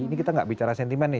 ini kita nggak bicara sentimen nih